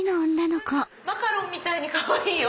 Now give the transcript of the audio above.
マカロンみたいにかわいいよ。